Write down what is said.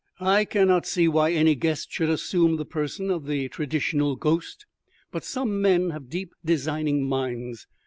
"I cannot see why any guest should assume the person of the traditional ghost, but some men have deep designing minds.